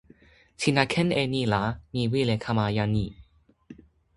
sina ken e ni la mi wile kama jan ni.